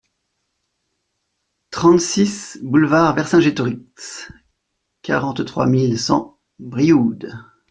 trente-six boulevard Vercingétorix, quarante-trois mille cent Brioude